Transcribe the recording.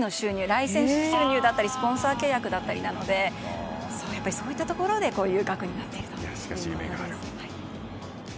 ライセンス収入だったりスポンサー契約だったりなのでそういったところでこういう額になっていると。